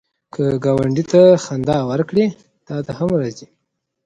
که ګاونډي ته خندا ورکړې، تا ته هم راځي